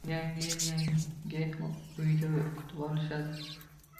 Yangi yilni yangi uyda kutib olishadi